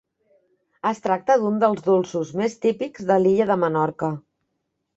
Es tracta d'un dels dolços més típics de l'illa de Menorca.